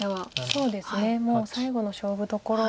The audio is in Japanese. そうですねもう最後の勝負どころ。